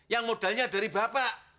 yang modalnya dari bapak